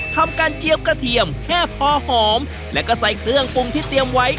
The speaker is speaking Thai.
ทำการเจียวกระเทียมแค่พอหอมและก็ใส่เครื่องปรุงที่เตรียมไว้